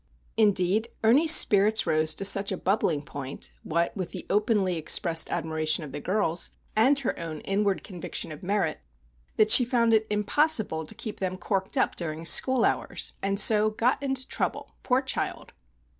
Indeed, Ernie's spirits rose to such bubbling point,—what with the openly expressed admiration of the girls, and her own inward conviction of merit,—that she found it impossible to keep them corked up during school hours, and so got into trouble, poor child!